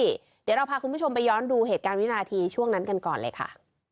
เดี๋ยวเราพาคุณผู้ชมไปย้อนดูเหตุการณ์วินาทีช่วงนั้นกันก่อนเลยค่ะ